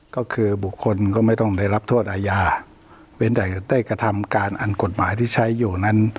ก็คือบุคคลก็ไม่ต้องได้รับโทษอาญาเว้นแต่ได้กระทำการอันกฎหมายที่ใช้อยู่นั้น